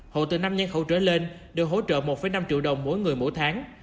hộ từ năm nhân hỗ trợ lên được hỗ trợ một năm triệu đồng mỗi người mỗi tháng